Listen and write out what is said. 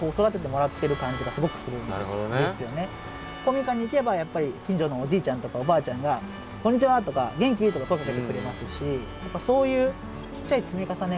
公民館に行けばやっぱり近所のおじいちゃんとかおばあちゃんが「こんにちは！」とか「元気？」とか声かけてくれますしそういうちっちゃい積み重ねがすごく大きくて。